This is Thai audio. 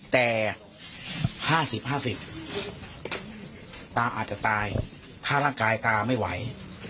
แต่๕๐๕๐ตาอาจจะตายถ้าร่างกายตาไม่ไหว